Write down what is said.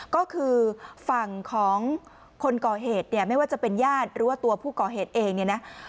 ก็คือฝั่งของคนก่อเหตุเนี่ยไม่ว่าจะเป็นญาติหรือว่าตัวผู้ก่อเหตุเองเนี่ยนะ